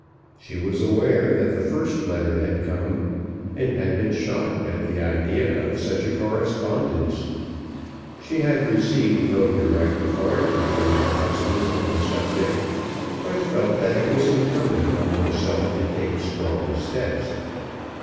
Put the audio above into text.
She was aware that the first letter had come, and had been shocked at the idea of such a correspondence. She had received no direct authority from her husband on the subject, but felt that it was incumbent on herself to take strong steps.